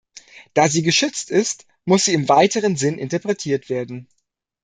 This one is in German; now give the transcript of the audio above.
Da sie geschützt ist, muss sie im weiteren Sinn interpretiert werden.